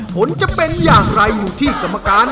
ผลจะเป็นอย่างไรอยู่ที่กรรมการ